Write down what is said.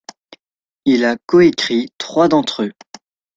Il a coécrit trois d'entre eux.